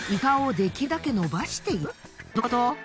できるだけ伸ばす？ってどういうこと？